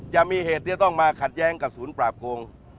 จะมีเหตุที่จะต้องมาขัดแย้งกับศูนย์ปราบโกง